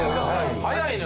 早いのよ。